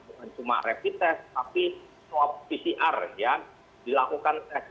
bukan cuma rapid test tapi swab pcr ya dilakukan tes